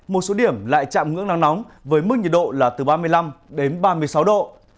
một số điểm lại chạm ngưỡng nắng nóng với mức nhiệt độ là từ ba mươi năm đến ba mươi sáu độ